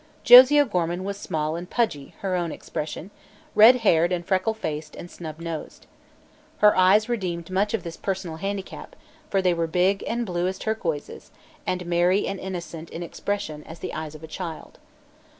Josie O'Gorman was small and "pudgy" her own expression red haired and freckled faced and snub nosed. Her eyes redeemed much of this personal handicap, for they were big and blue as turquoises and as merry and innocent in expression as the eyes of a child.